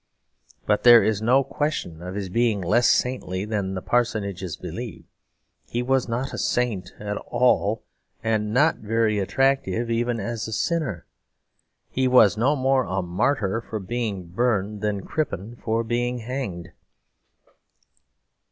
But there is no question of his being less saintly than the parsonages believed; he was not a saint at all; and not very attractive even as a sinner. He was no more a martyr for being burned than Crippen for being hanged.